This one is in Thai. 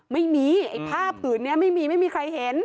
ไม่มีไอ้ผ้าผืนนี้ไม่มีไม่มีใครเห็น